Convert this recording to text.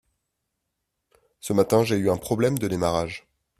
Ce matin, j’ai eu un problème de démarrage.